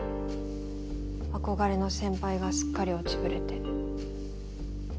憧れの先輩がすっかり落ちぶれて。